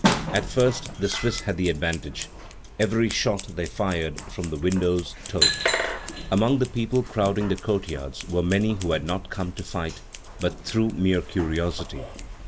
At first the Swiss had the advantage. Every shot they fired from the windows told. Among the people crowding the courtyards were many who had not come to fight, but through mere curiosity.